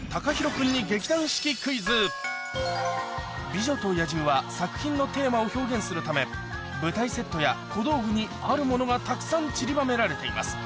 君に『美女と野獣』は作品のテーマを表現するため舞台セットや小道具にあるものがたくさんちりばめられています